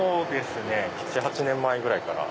７８年前ぐらいから。